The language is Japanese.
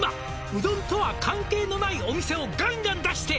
「うどんとは関係のないお店をガンガン出して」